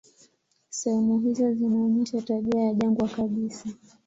Sehemu hizo zinaonyesha tabia ya jangwa kabisa.